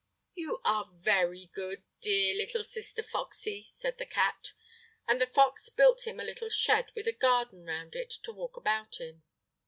"You are very good, dear little sister foxy!" said the cat, and the fox built him a little shed with a garden round it to walk about in.